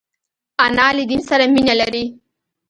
انا له دین سره مینه لري